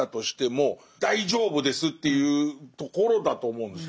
その大丈夫ですっていうところが大事なんだと思うんですよ。